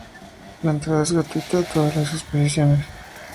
La entrada es gratuita a todas las exposiciones.